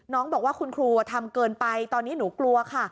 น้องบอกว่าคุณครูทำเกินไปตอนนี้หนูกลัวค่ะ